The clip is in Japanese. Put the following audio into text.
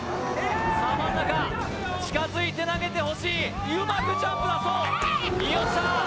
さあ真ん中近づいて投げてほしいうまくジャンプだそうよっしゃ！